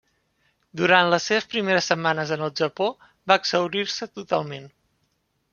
Durant les seves primeres setmanes en el Japó, va exhaurir-se totalment.